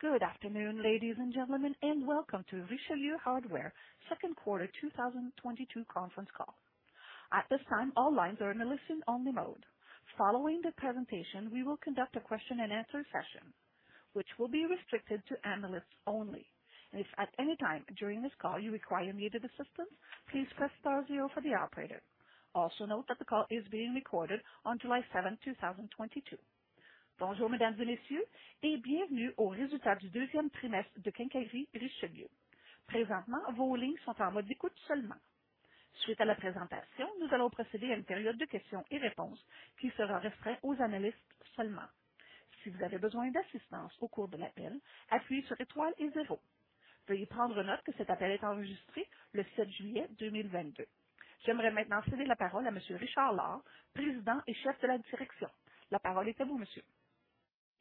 Good afternoon, ladies and gentlemen, and welcome to Richelieu Hardware second quarter 2022 conference call. At this time, all lines are in a listen-only mode. Following the presentation, we will conduct a question and answer session which will be restricted to analysts only. If at any time during this call you require immediate assistance, please press star zero for the operator. Also note that the call is being recorded on July 7, 2022.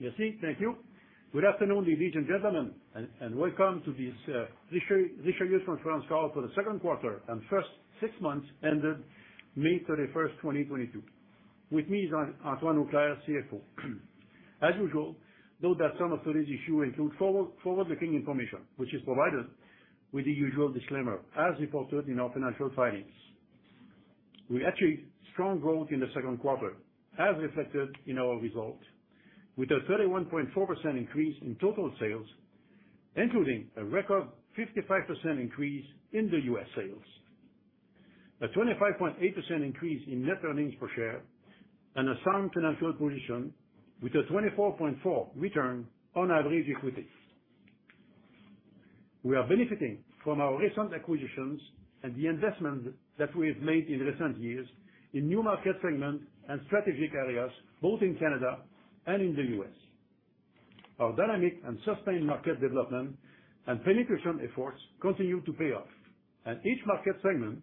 Merci. Thank you. Good afternoon, ladies and gentlemen, and welcome to this Richelieu conference call for the second quarter and first six months ended May 31st, 2022. With me is Antoine Auclair, CFO. As usual, note that some of today's issues include forward-looking information, which is provided with the usual disclaimer as reported in our financial filings. We achieved strong growth in the second quarter, as reflected in our results, with a 31.4% increase in total sales, including a record 55% increase in the U.S. sales. A 25.8% increase in net earnings per share and a sound financial position with a 24.4% return on average equities. We are benefiting from our recent acquisitions and the investments that we have made in recent years in new market segments and strategic areas, both in Canada and in the U.S. Our dynamic and sustained market development and penetration efforts continue to pay off, and each market segment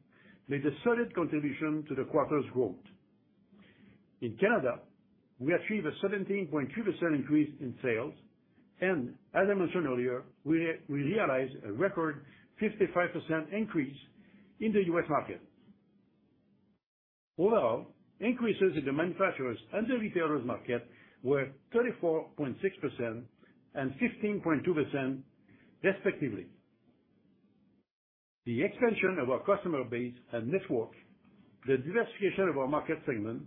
made a solid contribution to the quarter's growth. In Canada, we achieved a 17.2% increase in sales, and as I mentioned earlier, we realized a record 55% increase in the U.S. market. Overall, increases in the manufacturers and the retailers market were 34.6% and 15.2% respectively. The expansion of our customer base and network, the diversification of our market segment,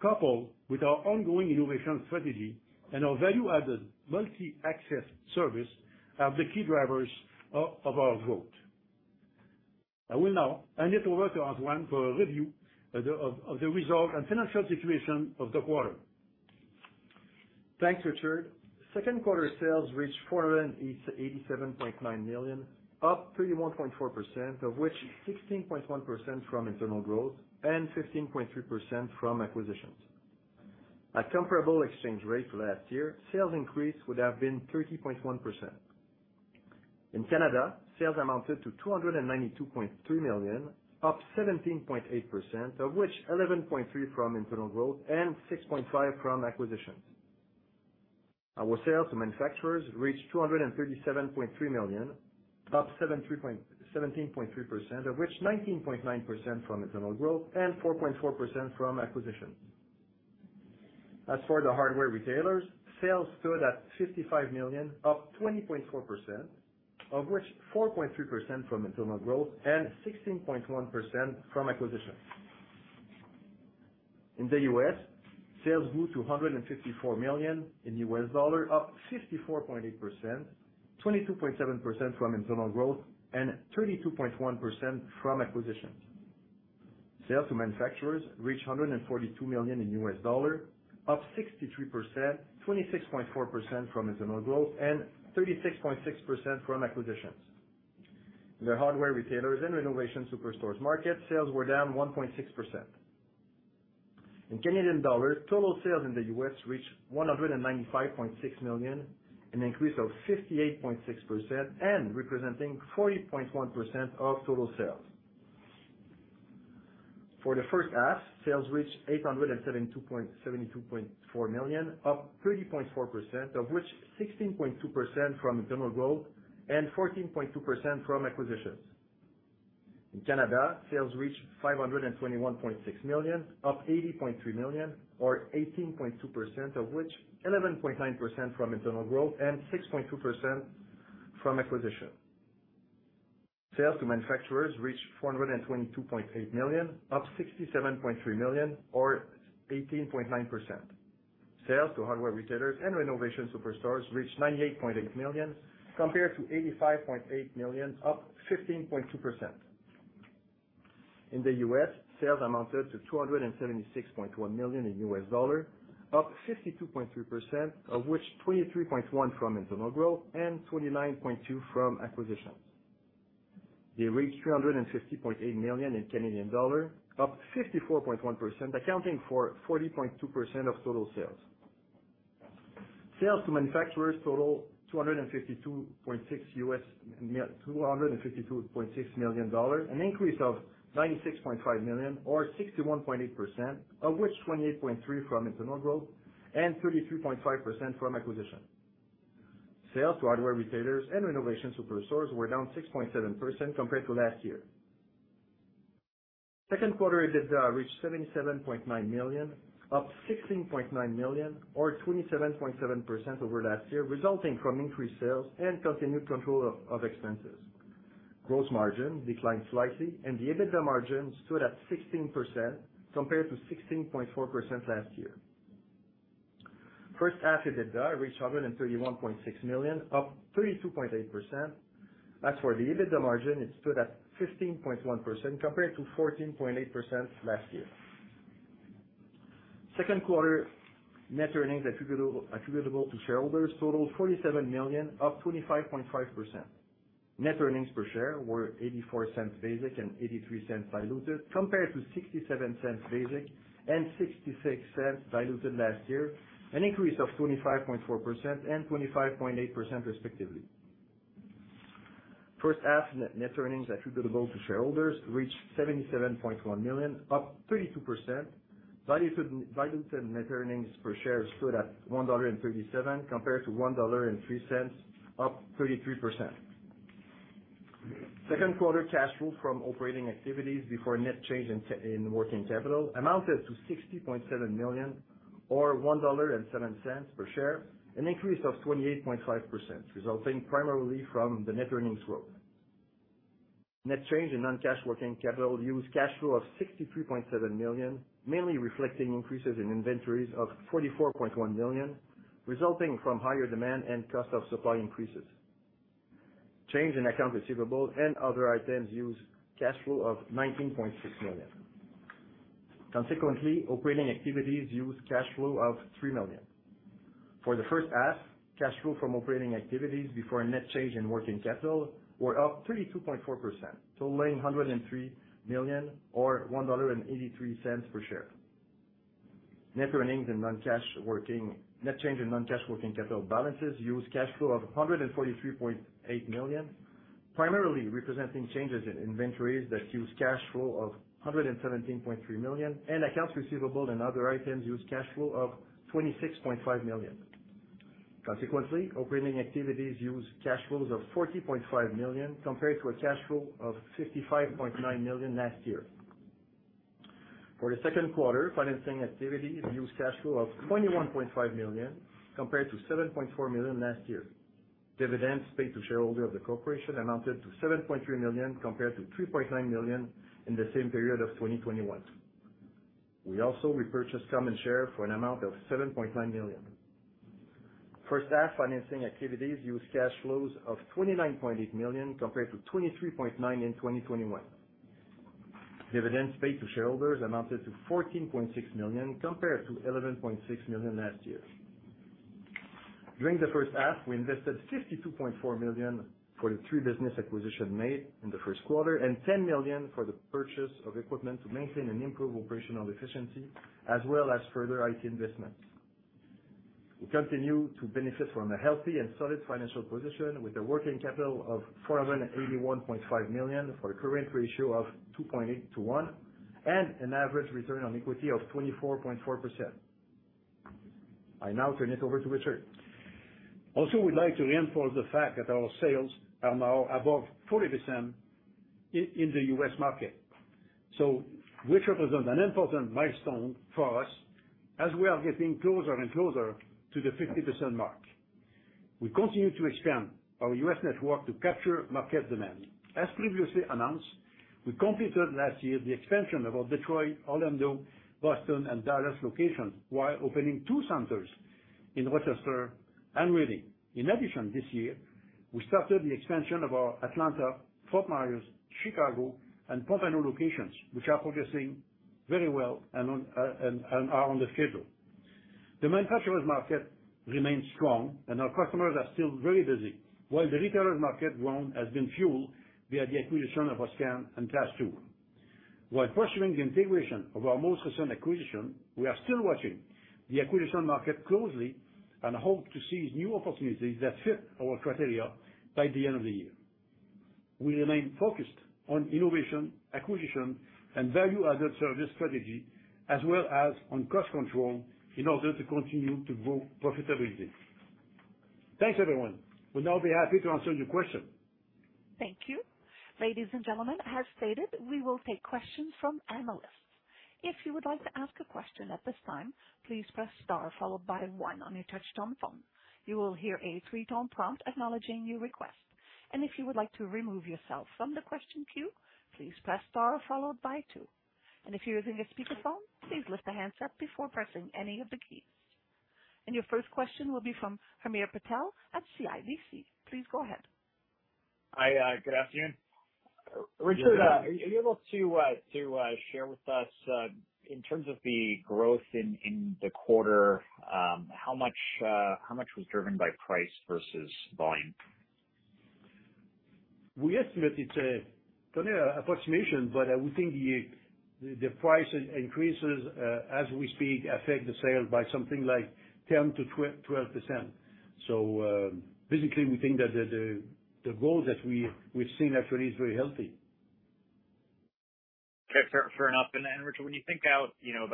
coupled with our ongoing innovation strategy and our value-added multi-access service are the key drivers of our growth. I will now hand it over to Antoine for a review of the results and financial situation of the quarter. Thanks, Richard. Second quarter sales reached 487.9 million, up 31.4%, of which 16.1% from internal growth and 15.3% from acquisitions. At comparable exchange rate to last year, sales increase would have been 30.1%. In Canada, sales amounted to 292.2 million, up 17.8%, of which 11.3% from internal growth and 6.5% from acquisitions. Our sales to manufacturers reached 237.3 million, up 17.3%, of which 19.9% from internal growth and 4.4% from acquisitions. As for the hardware retailers, sales stood at 55 million, up 20.4%, of which 4.3% from internal growth and 16.1% from acquisitions. In the U.S., sales grew to $154 million, up 54.8%, 22.7% from internal growth, and 32.1% from acquisitions. Sales to manufacturers reached $142 million, up 63%, 26.4% from internal growth, and 36.6% from acquisitions. The hardware retailers and renovation superstores market sales were down 1.6%. In Canadian dollars, total sales in the U.S. reached 195.6 million, an increase of 58.6% and representing 40.1% of total sales. For the first half, sales reached 872.4 million, up 30.4%, of which 16.2% from internal growth and 14.2% from acquisitions. In Canada, sales reached 521.6 million, up 80.3 million or 18.2%, of which 11.9% from internal growth and 6.2% from acquisition. Sales to manufacturers reached 422.8 million, up 67.3 million or 18.9%. Sales to hardware retailers and renovation superstores reached 98.8 million compared to 85.8 million, up 15.2%. In the U.S., sales amounted to $276.1 million in U.S. dollars, up 52.3%, of which 23.1% from internal growth and 29.2% from acquisitions. They reached 250.8 million in Canadian dollars, up 54.1%, accounting for 40.2% of total sales. Sales to manufacturers total $252.6 million, an increase of $96.5 million or 61.8%, of which 28.3% from internal growth and 33.5% from acquisition. Sales to hardware retailers and renovation superstores were down 6.7% compared to last year. Second quarter EBITDA reached 77.9 million, up 16.9 million or 27.7% over last year, resulting from increased sales and continued control of expenses. Gross margin declined slightly and the EBITDA margin stood at 16% compared to 16.4% last year. First half EBITDA reached 131.6 million, up 32.8%. As for the EBITDA margin, it stood at 15.1% compared to 14.8% last year. Second quarter net earnings attributable to shareholders totaled 47 million, up 25.5%. Net earnings per share were 0.84 basic and 0.83 diluted compared to 0.67 basic and 0.66 diluted last year, an increase of 25.4% and 25.8% respectively. First half net earnings attributable to shareholders reached 77.1 million, up 32%. Diluted net earnings per share stood at 1.37 dollar compared to 1.03 dollar, up 33%. Second quarter cash flow from operating activities before net change in working capital amounted to 60.7 million or 1.07 dollar per share, an increase of 28.5%, resulting primarily from the net earnings growth. Net change in non-cash working capital used cash flow of 63.7 million, mainly reflecting increases in inventories of 44.1 million, resulting from higher demand and cost of supply increases. Change in accounts receivable and other items used cash flow of 19.6 million. Consequently, operating activities used cash flow of 3 million. For the first half, cash flow from operating activities before net change in working capital were up 32.4%, totaling 103 million or 1.83 dollar per share. Net change in non-cash working capital balances used cash flow of 143.8 million, primarily representing changes in inventories that used cash flow of 117.3 million, and accounts receivable and other items used cash flow of 26.5 million. Consequently, operating activities used cash flows of 40.5 million compared to a cash flow of 55.9 million last year. For the second quarter, financing activities used cash flow of 21.5 million compared to 7.4 million last year. Dividends paid to shareholder of the corporation amounted to 7.3 million compared to 3.9 million in the same period of 2021. We also repurchased common share for an amount of 7.9 million. First half, financing activities used cash flows of 29.8 million compared to 23.9 in 2021. Dividends paid to shareholders amounted to 14.6 million compared to 11.6 million last year. During the first half, we invested 52.4 million for the three business acquisition made in the first quarter and 10 million for the purchase of equipment to maintain and improve operational efficiency as well as further IT investments. We continue to benefit from a healthy and solid financial position with a working capital of 481.5 million for a current ratio of 2.8 to 1, and an average return on equity of 24.4%. I now turn it over to Richard. We'd like to reinforce the fact that our sales are now above 40% in the U.S. market, which represents an important milestone for us as we are getting closer and closer to the 50% mark. We continue to expand our U.S. network to capture market demand. As previously announced, we completed last year the expansion of our Detroit, Orlando, Boston, and Dallas locations while opening two centers in Rochester and Reading. In addition, this year, we started the expansion of our Atlanta, Fort Myers, Chicago, and Pompano locations, which are progressing very well and are on the schedule. The manufacturer's market remains strong, and our customers are still very busy. While the retailer's market growth has been fueled via the acquisition of Uscan and Task Tools. While pursuing the integration of our most recent acquisition, we are still watching the acquisition market closely and hope to see new opportunities that fit our criteria by the end of the year. We remain focused on innovation, acquisition, and value-added service strategy, as well as on cost control in order to continue to grow profitability. Thanks, everyone. We'll now be happy to answer your question. Thank you. Ladies and gentlemen, as stated, we will take questions from analysts. If you would like to ask a question at this time, please press star followed by one on your touchtone phone. You will hear a three-tone prompt acknowledging your request. If you would like to remove yourself from the question queue, please press star followed by two. If you're using a speakerphone, please lift the handset before pressing any of the keys. Your first question will be from Hamir Patel at CIBC. Please go ahead. Hi, good afternoon. Richard, are you able to share with us in terms of the growth in the quarter, how much was driven by price versus volume? We estimate it's only an approximation, but I would think the price increases as we speak affect the sales by something like 10%-12%. Basically, we think that the growth that we've seen actually is very healthy. Okay. Fair enough. Richard, when you think about, you know,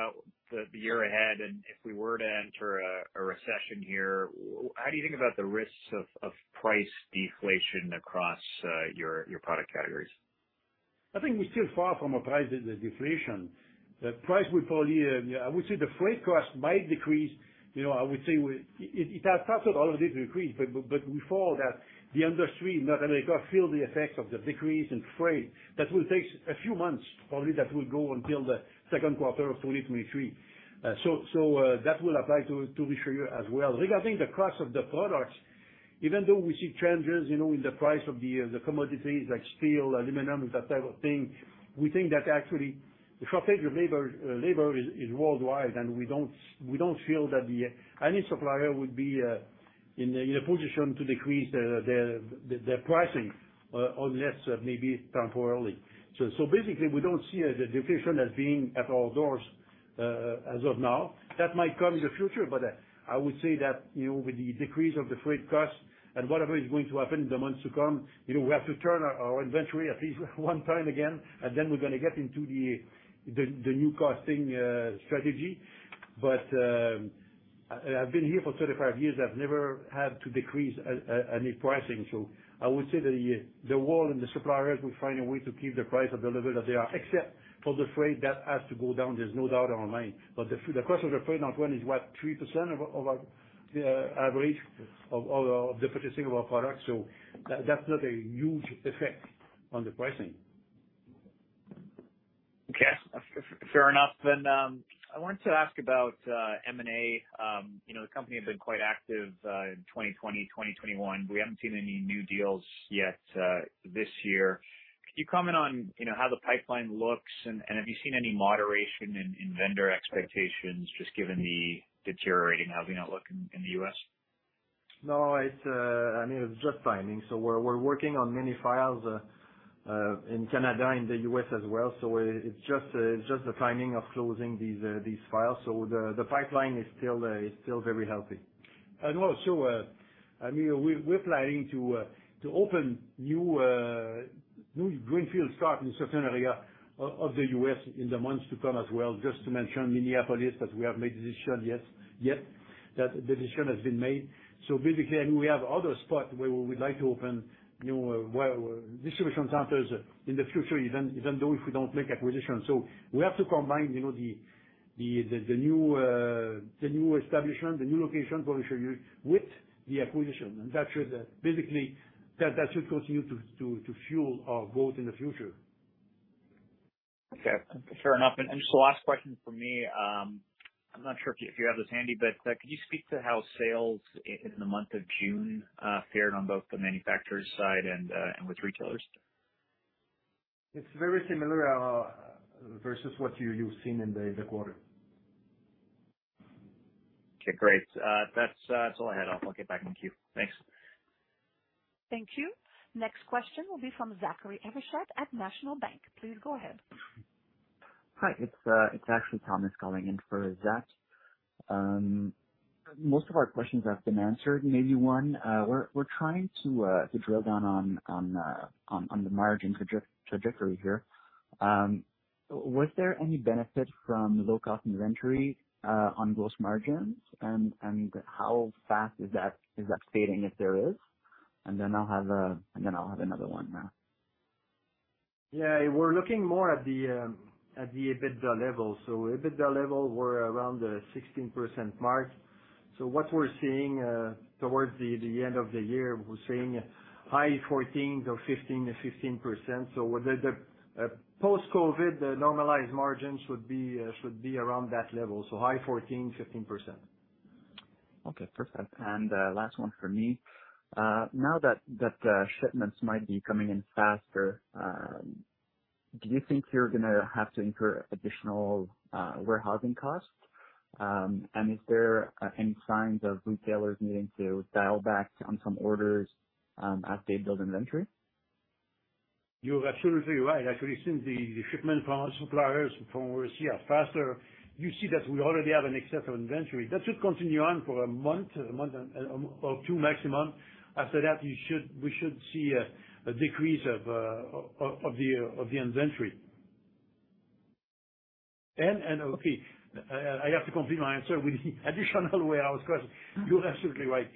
the year ahead, and if we were to enter a recession here, how do you think about the risks of price deflation across your product categories? I think we're still far from a price deflation. The price will probably. I would say the freight cost might decrease. I would say it has started already to decrease, but before that, the industry in North America feels the effects of the decrease in freight. That will take a few months, probably that will go until the second quarter of 2023. That will apply to Richelieu as well. Regarding the cost of the products, even though we see changes in the price of the commodities like steel, aluminum, that type of thing, we think that actually the shortage of labor is worldwide and we don't feel that the. Any supplier would be in a position to decrease their pricing unless maybe temporarily. Basically we don't see a deflation as being at our doors as of now. That might come in the future. I would say that, you know, with the decrease of the freight costs and whatever is going to happen in the months to come, you know, we have to turn our inventory at least one time again, and then we're gonna get into the new costing strategy. I've been here for 35 years, I've never had to decrease any pricing. I would say the world and the suppliers will find a way to keep the price at the level that they are. Except for the freight, that has to go down, there's no doubt in my mind. The cost of the freight on one is what? 3% of our average of the purchasing of our products. That's not a huge effect on the pricing. Okay. Fair enough. I wanted to ask about M&A. You know, the company had been quite active in 2020, 2021. We haven't seen any new deals yet this year. Could you comment on, you know, how the pipeline looks and have you seen any moderation in vendor expectations, just given the deteriorating housing outlook in the U.S.? No, it's, I mean, it's just timing. We're working on many files in Canada, in the U.S. as well. It's just the timing of closing these files. The pipeline is still very healthy. I mean, we're planning to open new greenfield stock in certain area of the U.S. in the months to come as well. Just to mention Minneapolis, that we have made a decision not yet. That decision has been made. Basically, I mean, we have other spot where we would like to open new distribution centers in the future, even if we don't make acquisitions. We have to combine, you know, the new establishment, the new location for this year with the acquisition. That should continue to fuel our growth in the future. Okay. Fair enough. Just the last question from me. I'm not sure if you have this handy, but could you speak to how sales in the month of June fared on both the manufacturers side and with retailers? It's very similar versus what you've seen in the quarter. Okay, great. That's all I had. I'll get back in queue. Thanks. Thank you. Next question will be from Zachary Evershed at National Bank. Please go ahead. Hi, it's actually Thomas calling in for Zach. Most of our questions have been answered. Maybe one, we're trying to drill down on the margin trajectory here. Was there any benefit from low-cost inventory on gross margins? How fast is that fading, if there is? I'll have another one. Yeah. We're looking more at the EBITDA level. EBITDA level, we're around the 16% mark. What we're seeing towards the end of the year, we're seeing high 14s or 15% to 15%. Post-COVID normalized margins should be around that level. High 14%, 15%. Okay, perfect. Last one from me. Now that shipments might be coming in faster, do you think you're gonna have to incur additional warehousing costs? Is there any signs of retailers needing to dial back on some orders, as they build inventory? You're absolutely right. Actually, since the shipment from our suppliers from overseas faster, you see that we already have an excess of inventory. That should continue on for a month or two maximum. After that, we should see a decrease of the inventory. I have to complete my answer with the additional warehouse costs. You're absolutely right.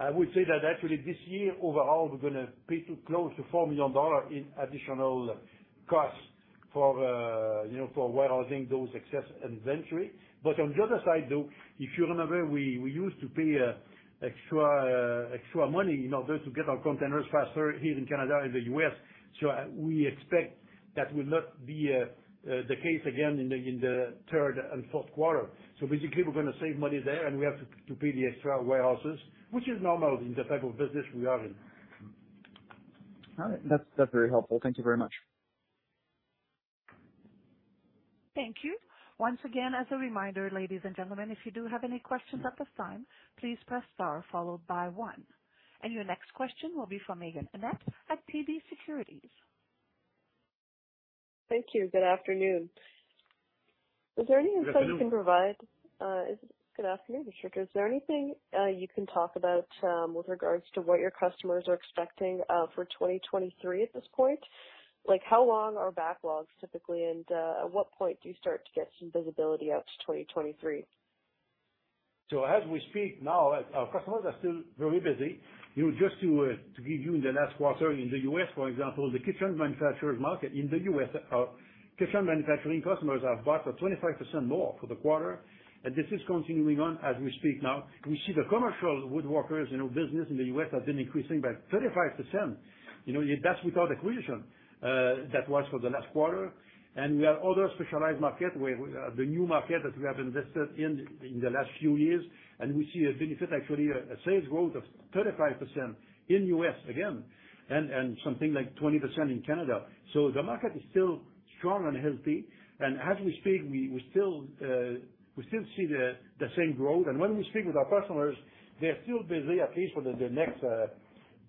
I would say that actually this year overall we're gonna pay close to 4 million dollars in additional costs for warehousing those excess inventory. On the other side, though, if you remember, we used to pay extra money in order to get our containers faster here in Canada and the U.S. We expect that will not be the case again in the third and fourth quarter. Basically, we're gonna save money there and we have to pay the extra warehouses, which is normal in the type of business we are in. All right. That's very helpful. Thank you very much. Thank you. Once again, as a reminder, ladies and gentlemen, if you do have any questions at this time, please press star followed by one. Your next question will be from Meaghen Annett at TD Securities. Thank you. Good afternoon. Is there anything you can provide... Good afternoon, Richard. Is there anything you can talk about with regards to what your customers are expecting for 2023 at this point? Like, how long are backlogs typically, and at what point do you start to get some visibility out to 2023? As we speak now, our customers are still very busy. You know, just to give you the last quarter in the U.S., for example, the kitchen manufacturers market in the U.S., our kitchen manufacturing customers have bought 25% more for the quarter. This is continuing on as we speak now. We see the commercial woodworkers, you know, business in the U.S. has been increasing by 35%. You know, that's without acquisition. That was for the last quarter. We have other specialized market where the new market that we have invested in the last few years, and we see a benefit, actually, a sales growth of 35% in U.S. again, and something like 20% in Canada. The market is still strong and healthy. As we speak, we still see the same growth. When we speak with our customers, they're still busy at least for the next,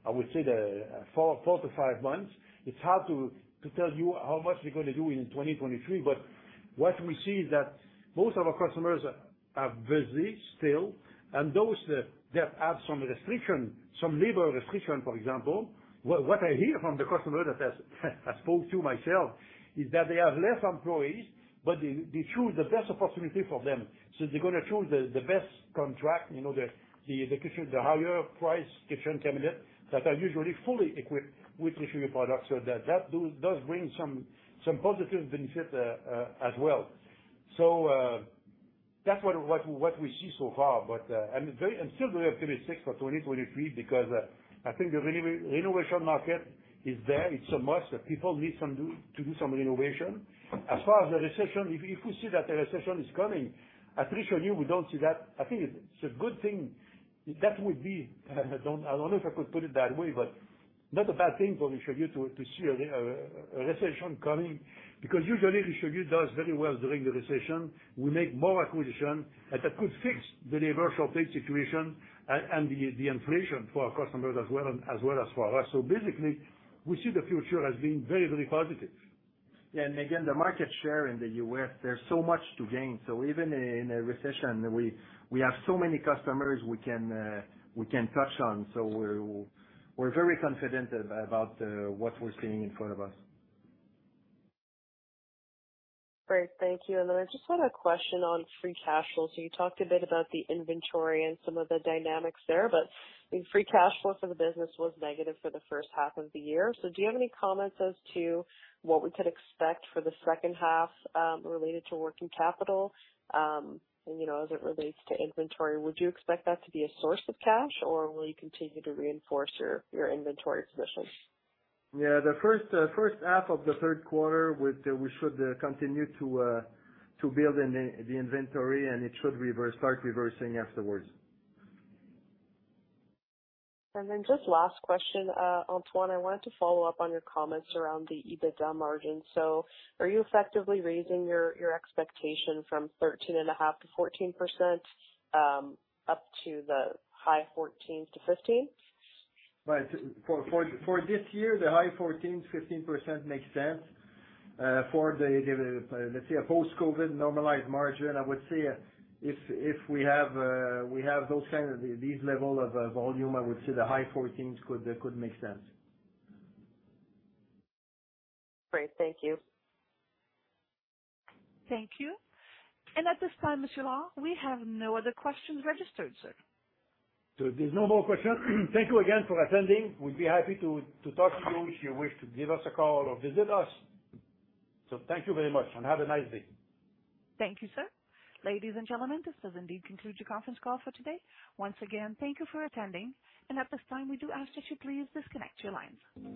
I would say the four to five months. It's hard to tell you how much they're gonna do in 2023, but what we see is that most of our customers are busy still. Those that have some restriction, some labor restriction, for example, what I hear from the customers that I spoke to myself, is that they have less employees, but they choose the best opportunity for them. They're gonna choose the best contract, you know, the kitchen, the higher price kitchen cabinet that are usually fully equipped with Richelieu product. That does bring some positive benefit, as well. That's what we see so far. I'm still very optimistic for 2023, because I think the renovation market is there. It's a must. People need to do some renovation. As far as the recession, if we see that the recession is coming, at Richelieu, we don't see that. I think it's a good thing. That would be, I don't know if I could put it that way, but not a bad thing for Richelieu to see a recession coming, because usually Richelieu does very well during the recession. We make more acquisition, and that could fix the labor shortage situation and the inflation for our customers as well as for us. Basically, we see the future as being very positive. Yeah. Again, the market share in the U.S., there's so much to gain. Even in a recession, we have so many customers we can touch on. We're very confident about what we're seeing in front of us. Great. Thank you. I just had a question on free cash flow. You talked a bit about the inventory and some of the dynamics there, but the free cash flow for the business was negative for the first half of the year. Do you have any comments as to what we could expect for the second half, related to working capital, and, you know, as it relates to inventory? Would you expect that to be a source of cash, or will you continue to reinforce your inventory positions? Yeah. The first half of the third quarter, we should continue to build up the inventory, and it should start reversing afterwards. Just last question, Antoine, I wanted to follow up on your comments around the EBITDA margin. Are you effectively raising your expectation from 13.5%-14%, up to the high 14% to 15%? Right. For this year, the high 14s, 15% makes sense. For the, let's say a post-COVID normalized margin, I would say if we have those kind of these level of volume, I would say the high 14s could make sense. Great. Thank you. Thank you. At this time, Richard Lord, we have no other questions registered, sir. There's no more questions. Thank you again for attending. We'd be happy to talk to you if you wish to give us a call or visit us. Thank you very much and have a nice day. Thank you, sir. Ladies and gentlemen, this does indeed conclude your conference call for today. Once again, thank you for attending. At this time, we do ask that you please disconnect your lines.